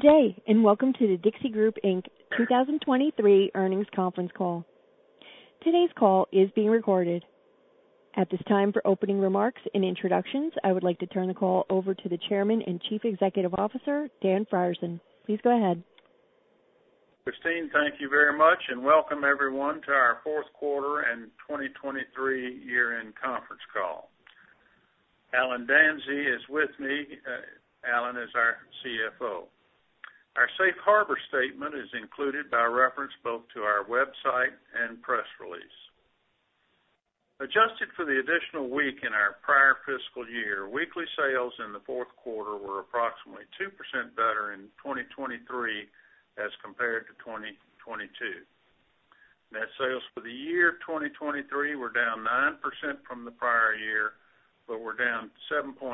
Good day and welcome to The Dixie Group, Inc. 2023 earnings conference call. Today's call is being recorded. At this time for opening remarks and introductions, I would like to turn the call over to the Chairman and Chief Executive Officer, Dan Frierson. Please go ahead. Christine, thank you very much and welcome everyone to our fourth quarter and 2023 year-end conference call. Allen Danzey is with me. Allen is our CFO. Our safe harbor statement is included by reference both to our website and press release. Adjusted for the additional week in our prior fiscal year, weekly sales in the fourth quarter were approximately 2% better in 2023 as compared to 2022. Net sales for the year 2023 were down 9% from the prior year, but were down 7.2%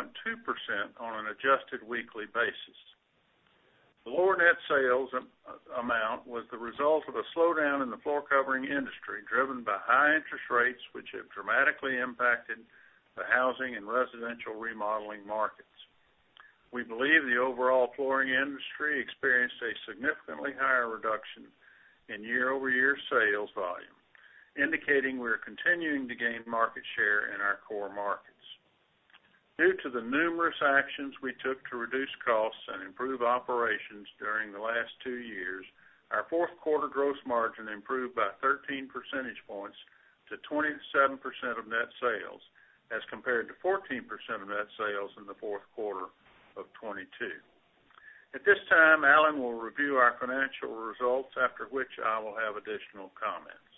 on an adjusted weekly basis. The lower net sales amount was the result of a slowdown in the floor covering industry driven by high interest rates, which have dramatically impacted the housing and residential remodeling markets. We believe the overall flooring industry experienced a significantly higher reduction in year-over-year sales volume, indicating we are continuing to gain market share in our core markets. Due to the numerous actions we took to reduce costs and improve operations during the last two years, our fourth quarter gross margin improved by 13 percentage points to 27% of net sales as compared to 14% of net sales in the fourth quarter of 2022. At this time, Allen will review our financial results, after which I will have additional comments.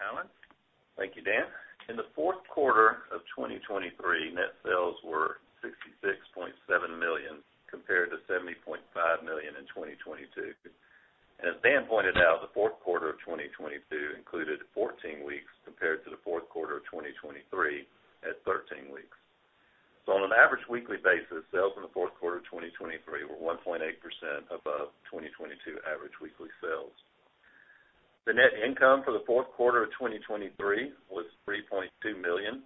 Allen? Thank you, Dan. In the fourth quarter of 2023, net sales were $66.7 million compared to $70.5 million in 2022. As Dan pointed out, the fourth quarter of 2022 included 14 weeks compared to the fourth quarter of 2023 at 13 weeks. On an average weekly basis, sales in the fourth quarter of 2023 were 1.8% above 2022 average weekly sales. The net income for the fourth quarter of 2023 was $3.2 million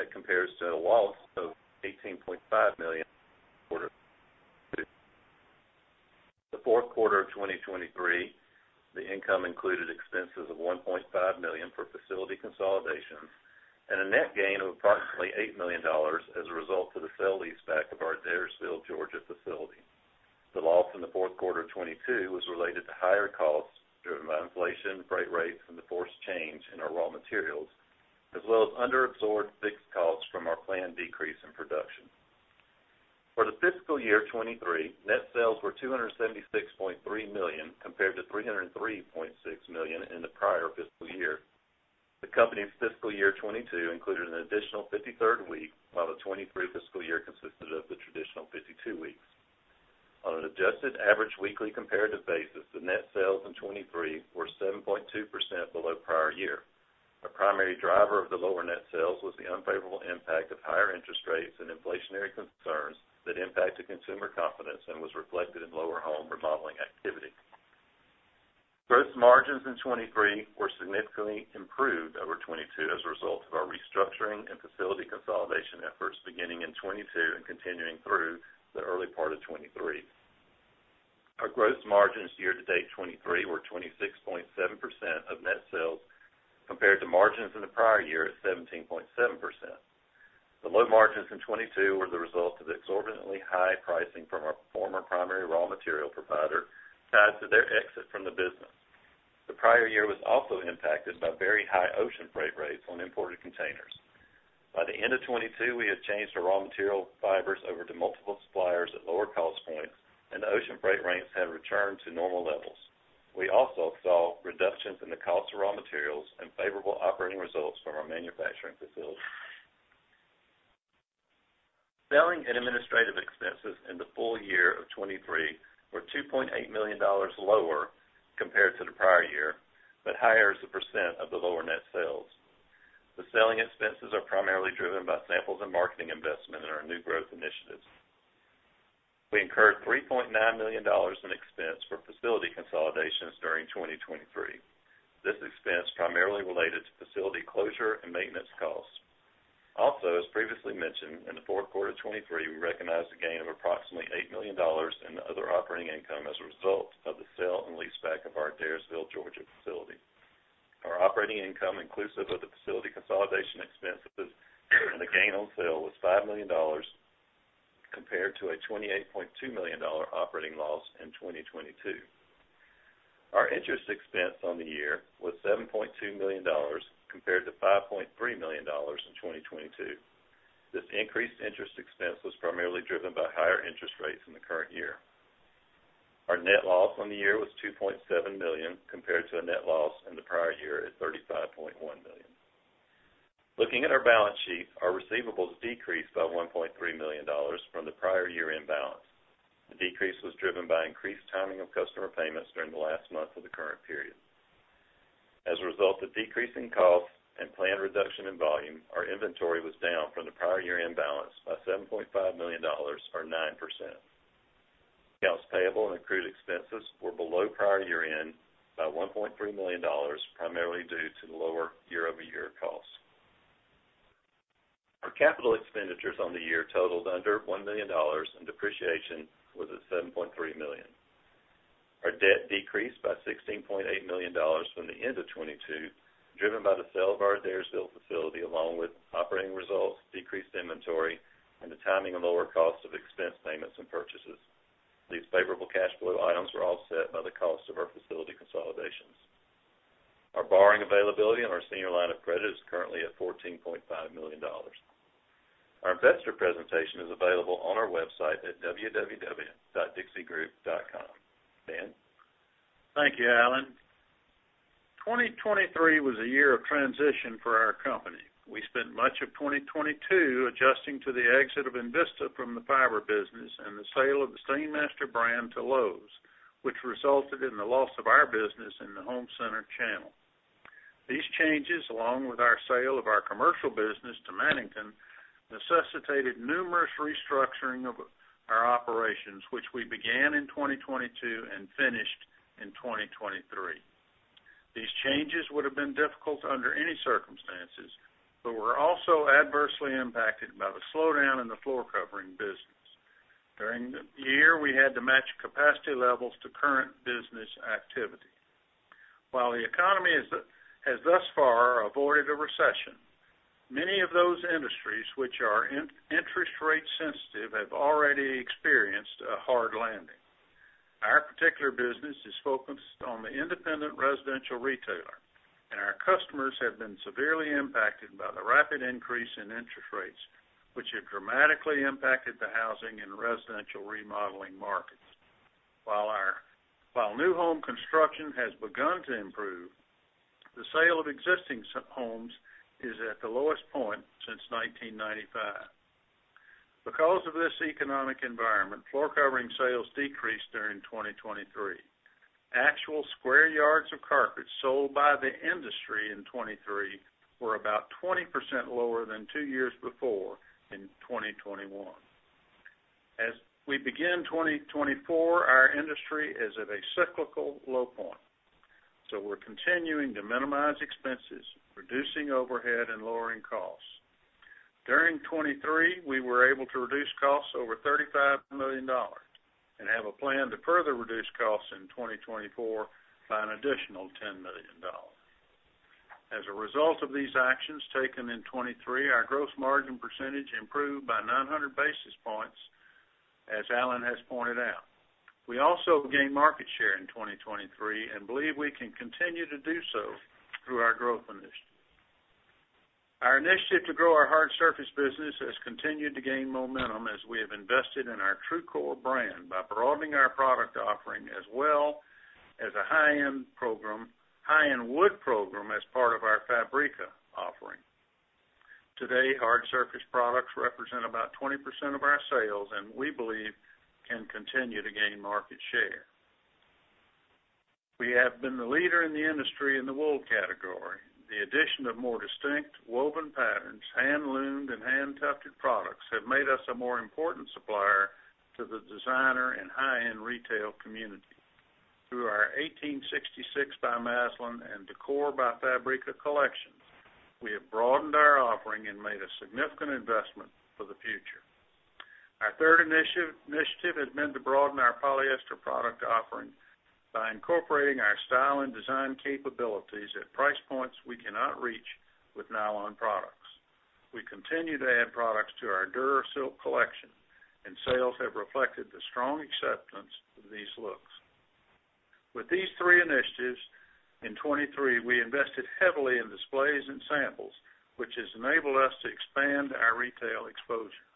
that compares to a loss of $18.5 million in the fourth quarter of 2022. The fourth quarter of 2023, the income included expenses of $1.5 million for facility consolidation and a net gain of approximately $8 million as a result of the sale-leaseback of our Adairsville, Georgia facility. The loss in the fourth quarter of 2022 was related to higher costs driven by inflation, freight rates, and the forced change in our raw materials, as well as underabsorbed fixed costs from our planned decrease in production. For the fiscal year 2023, net sales were $276.3 million compared to $303.6 million in the prior fiscal year. The company's fiscal year 2022 included an additional 53rd week, while the 2023 fiscal year consisted of the traditional 52 weeks. On an adjusted average weekly comparative basis, the net sales in 2023 were 7.2% below prior year. A primary driver of the lower net sales was the unfavorable impact of higher interest rates and inflationary concerns that impacted consumer confidence and was reflected in lower home remodeling activity. Gross margins in 2023 were significantly improved over 2022 as a result of our restructuring and facility consolidation efforts beginning in 2022 and continuing through the early part of 2023. Our gross margins year to date 2023 were 26.7% of net sales compared to margins in the prior year at 17.7%. The low margins in 2022 were the result of exorbitantly high pricing from our former primary raw material provider tied to their exit from the business. The prior year was also impacted by very high ocean freight rates on imported containers. By the end of 2022, we had changed our raw material fibers over to multiple suppliers at lower cost points, and the ocean freight rates had returned to normal levels. We also saw reductions in the cost of raw materials and favorable operating results from our manufacturing facility. Selling and administrative expenses in the full year of 2023 were $2.8 million lower compared to the prior year but higher as a percent of the lower net sales. The selling expenses are primarily driven by samples and marketing investment in our new growth initiatives. We incurred $3.9 million in expense for facility consolidations during 2023. This expense primarily related to facility closure and maintenance costs. Also, as previously mentioned, in the fourth quarter of 2023, we recognized a gain of approximately $8 million in other operating income as a result of the sale and lease back of our Dalesville, Georgia facility. Our operating income inclusive of the facility consolidation expenses and the gain on sale was $5 million compared to a $28.2 million operating loss in 2022. Our interest expense on the year was $7.2 million compared to $5.3 million in 2022. This increased interest expense was primarily driven by higher interest rates in the current year. Our net loss on the year was $2.7 million compared to a net loss in the prior year at $35.1 million. Looking at our balance sheet, our receivables decreased by $1.3 million from the prior year balance. The decrease was driven by increased timing of customer payments during the last month of the current period. As a result of decreasing costs and planned reduction in volume, our inventory was down from the prior year balance by $7.5 million or 9%. Accounts payable and accrued expenses were below prior year-end by $1.3 million, primarily due to the lower year-over-year costs. Our capital expenditures on the year totaled under $1 million, and depreciation was at $7.3 million. Our debt decreased by $16.8 million from the end of 2022, driven by the sale of our Dalesville facility along with operating results, decreased inventory, and the timing of lower cost of expense payments and purchases. These favorable cash flow items were offset by the cost of our facility consolidations. Our borrowing availability on our senior line of credit is currently at $14.5 million. Our investor presentation is available on our website at www.dixiegroup.com. Dan? Thank you, Allen. 2023 was a year of transition for our company. We spent much of 2022 adjusting to the exit of INVISTA from the fiber business and the sale of the Stainmaster brand to Lowe's, which resulted in the loss of our business in the home center channel. These changes, along with our sale of our commercial business to Mannington, necessitated numerous restructuring of our operations, which we began in 2022 and finished in 2023. These changes would have been difficult under any circumstances, but were also adversely impacted by the slowdown in the floor covering business. During the year, we had to match capacity levels to current business activity. While the economy has thus far avoided a recession, many of those industries which are interest rate sensitive have already experienced a hard landing. Our particular business is focused on the independent residential retailer, and our customers have been severely impacted by the rapid increase in interest rates, which have dramatically impacted the housing and residential remodeling markets. While new home construction has begun to improve, the sale of existing homes is at the lowest point since 1995. Because of this economic environment, floor covering sales decreased during 2023. Actual square yards of carpet sold by the industry in 2023 were about 20% lower than two years before in 2021. As we begin 2024, our industry is at a cyclical low point, so we're continuing to minimize expenses, reducing overhead, and lowering costs. During 2023, we were able to reduce costs over $35 million and have a plan to further reduce costs in 2024 by an additional $10 million. As a result of these actions taken in 2023, our gross margin percentage improved by 900 basis points, as Allen has pointed out. We also gained market share in 2023 and believe we can continue to do so through our growth initiative. Our initiative to grow our hard surface business has continued to gain momentum as we have invested in our Trucor brand by broadening our product offering as well as a high-end wood program as part of our Fabrica offering. Today, hard surface products represent about 20% of our sales, and we believe can continue to gain market share. We have been the leader in the industry in the wool category. The addition of more distinct woven patterns, hand-loomed, and hand-tufted products have made us a more important supplier to the designer and high-end retail community. Through our 1866 by Masland and Décor by Fabrica collections, we have broadened our offering and made a significant investment for the future. Our third initiative has been to broaden our polyester product offering by incorporating our style and design capabilities at price points we cannot reach with nylon products. We continue to add products to our DuraSilk collection, and sales have reflected the strong acceptance of these looks. With these three initiatives in 2023, we invested heavily in displays and samples, which has enabled us to expand our retail exposure.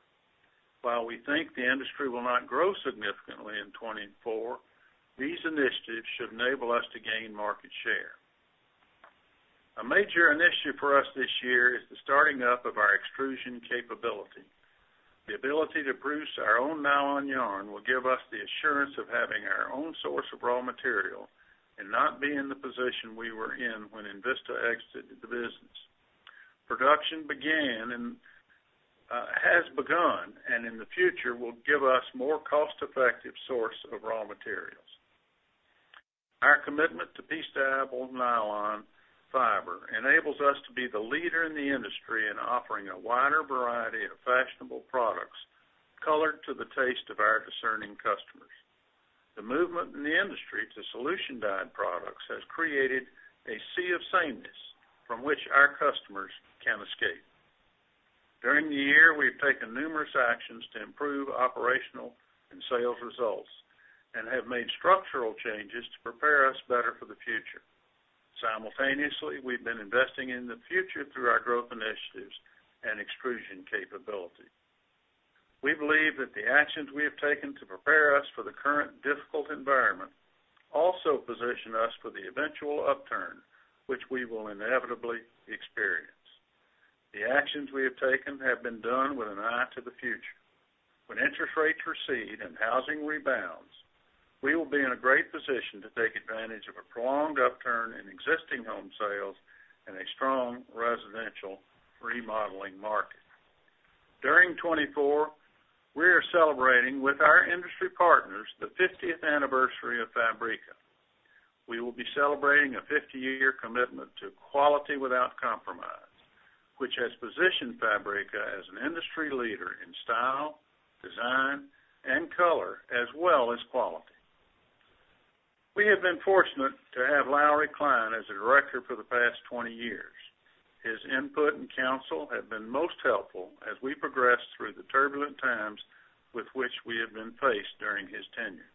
While we think the industry will not grow significantly in 2024, these initiatives should enable us to gain market share. A major initiative for us this year is the starting up of our extrusion capability. The ability to produce our own nylon yarn will give us the assurance of having our own source of raw material and not be in the position we were in when INVISTA exited the business. Production began and has begun and in the future will give us more cost-effective sources of raw materials. Our commitment to piece-dyed nylon fiber enables us to be the leader in the industry in offering a wider variety of fashionable products colored to the taste of our discerning customers. The movement in the industry to solution-dyed products has created a sea of sameness from which our customers can escape. During the year, we've taken numerous actions to improve operational and sales results and have made structural changes to prepare us better for the future. Simultaneously, we've been investing in the future through our growth initiatives and extrusion capability. We believe that the actions we have taken to prepare us for the current difficult environment also position us for the eventual upturn, which we will inevitably experience. The actions we have taken have been done with an eye to the future. When interest rates recede and housing rebounds, we will be in a great position to take advantage of a prolonged upturn in existing home sales and a strong residential remodeling market. During 2024, we are celebrating with our industry partners the 50th anniversary of Fabrica. We will be celebrating a 50-year commitment to quality without compromise, which has positioned Fabrica as an industry leader in style, design, and color as well as quality. We have been fortunate to have Lowry Kline as a director for the past 20 years. His input and counsel have been most helpful as we progressed through the turbulent times with which we have been faced during his tenure.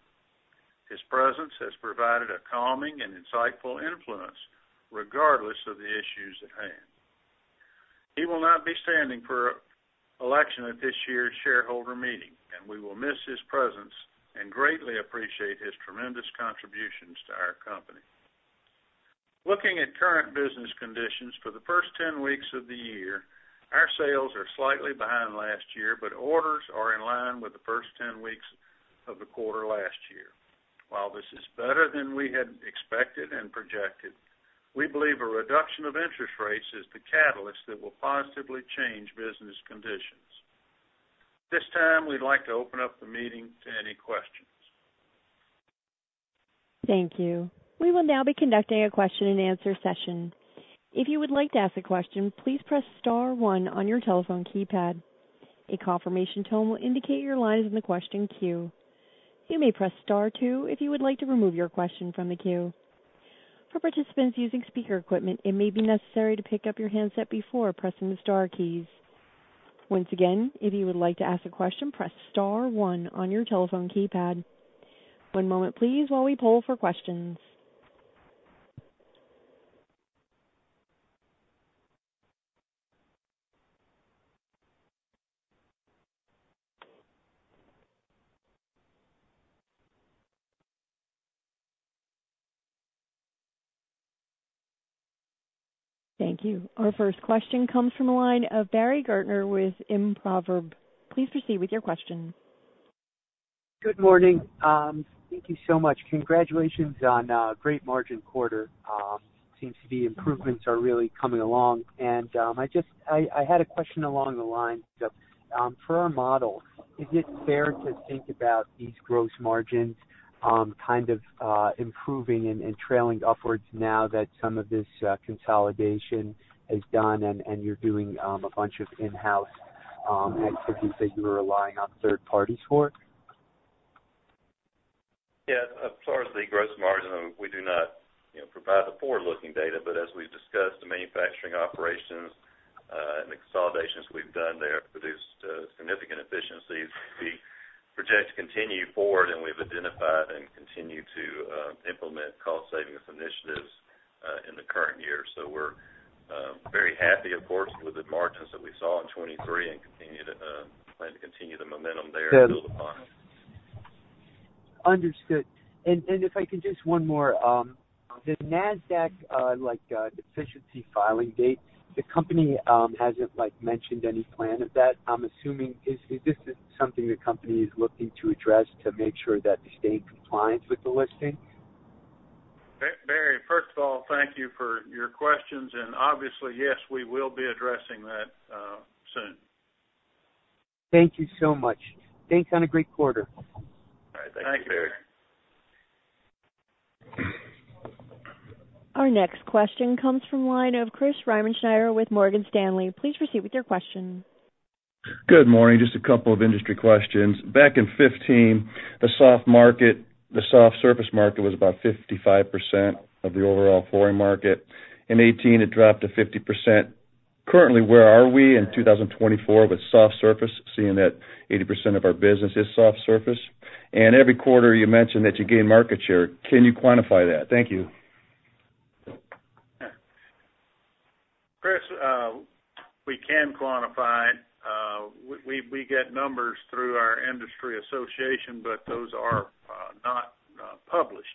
His presence has provided a calming and insightful influence regardless of the issues at hand. He will not be standing for election at this year's shareholder meeting, and we will miss his presence and greatly appreciate his tremendous contributions to our company. Looking at current business conditions for the first 10 weeks of the year, our sales are slightly behind last year, but orders are in line with the first 10 weeks of the quarter last year. While this is better than we had expected and projected, we believe a reduction of interest rates is the catalyst that will positively change business conditions. This time, we'd like to open up the meeting to any questions. Thank you. We will now be conducting a question-and-answer session. If you would like to ask a question, please press star one on your telephone keypad. A confirmation tone will indicate your line is in the question queue. You may press star two if you would like to remove your question from the queue. For participants using speaker equipment, it may be necessary to pick up your handset before pressing the star keys. Once again, if you would like to ask a question, press star one on your telephone keypad. One moment, please, while we pull for questions. Thank you. Our first question comes from a line of Barry Gartner with Private Investor. Please proceed with your question. Good morning. Thank you so much. Congratulations on a great margin quarter. Seems to be improvements are really coming along. And I had a question along the lines of, for our model, is it fair to think about these gross margins kind of improving and trailing upwards now that some of this consolidation is done and you're doing a bunch of in-house activities that you were relying on third parties for? Yeah. As far as the gross margin, we do not provide the forward-looking data. But as we've discussed, the manufacturing operations and the consolidations we've done there have produced significant efficiencies. We project to continue forward, and we've identified and continued to implement cost-savings initiatives in the current year. So we're very happy, of course, with the margins that we saw in 2023 and plan to continue the momentum there and build upon. Understood. And if I can just one more, the NASDAQ deficiency filing date, the company hasn't mentioned any plan of that, I'm assuming. Is this something the company is looking to address to make sure that they stay in compliance with the listing? Barry, first of all, thank you for your questions. Obviously, yes, we will be addressing that soon. Thank you so much. Thanks for a great quarter. All right. Thank you, Barry. Thank you. Our next question comes from a line of Chris Remenschneider with Morgan Stanley. Please proceed with your question. Good morning. Just a couple of industry questions. Back in 2015, the soft surface market was about 55% of the overall flooring market. In 2018, it dropped to 50%. Currently, where are we in 2024 with soft surface, seeing that 80% of our business is soft surface? And every quarter, you mentioned that you gained market share. Can you quantify that? Thank you. Chris, we can quantify it. We get numbers through our industry association, but those are not published.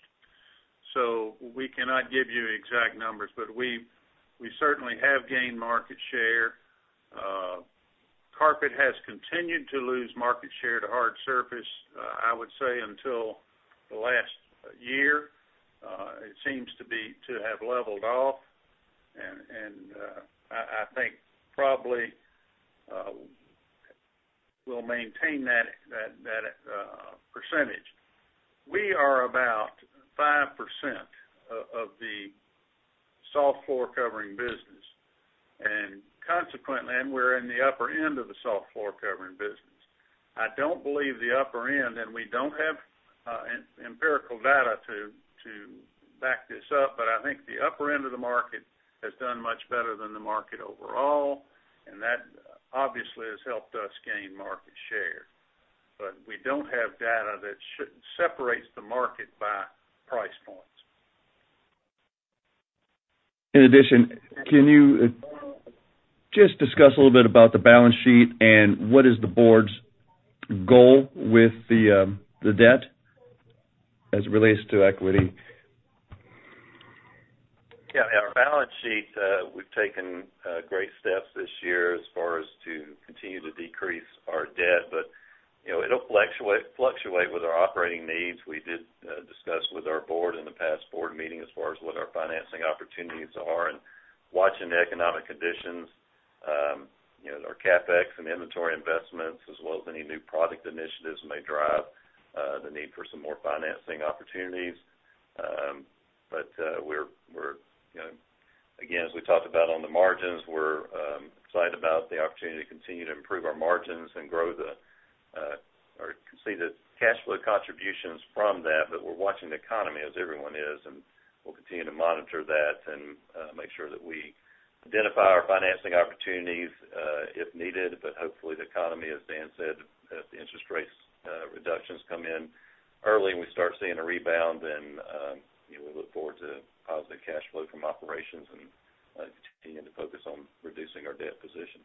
So we cannot give you exact numbers, but we certainly have gained market share. Carpet has continued to lose market share to hard surface, I would say, until the last year. It seems to have leveled off, and I think probably we'll maintain that percentage. We are about 5% of the soft floor covering business, and consequently, we're in the upper end of the soft floor covering business. I don't believe the upper end, and we don't have empirical data to back this up, but I think the upper end of the market has done much better than the market overall, and that obviously has helped us gain market share. But we don't have data that separates the market by price points. In addition, can you just discuss a little bit about the balance sheet and what is the board's goal with the debt as it relates to equity? Yeah. Our balance sheet, we've taken great steps this year as far as to continue to decrease our debt, but it'll fluctuate with our operating needs. We did discuss with our board in the past board meeting as far as what our financing opportunities are and watching the economic conditions. Our CapEx and inventory investments, as well as any new product initiatives, may drive the need for some more financing opportunities. But again, as we talked about on the margins, we're excited about the opportunity to continue to improve our margins and see the cash flow contributions from that. But we're watching the economy as everyone is, and we'll continue to monitor that and make sure that we identify our financing opportunities if needed. Hopefully, the economy, as Dan said, if the interest rate reductions come in early and we start seeing a rebound, then we look forward to positive cash flow from operations and continuing to focus on reducing our debt position.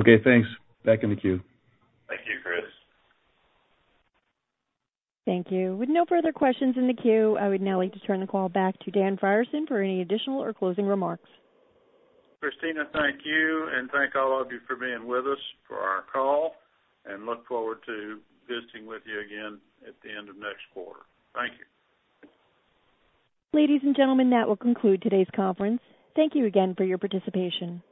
Okay. Thanks. Back in the queue. Thank you, Chris. Thank you. With no further questions in the queue, I would now like to turn the call back to Dan Frierson for any additional or closing remarks. Christina, thank you. Thank all of you for being with us for our call, and look forward to visiting with you again at the end of next quarter. Thank you. Ladies and gentlemen, that will conclude today's conference. Thank you again for your participation.